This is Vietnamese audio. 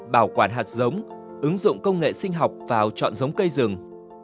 bảo quản hạt giống ứng dụng công nghệ sinh học vào chọn giống cây rừng